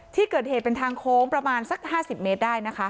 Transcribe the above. ที่เกิดเหตุเป็นทางโค้งประมาณสัก๕๐เมตรได้นะคะ